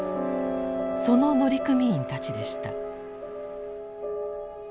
その乗組員たちでした。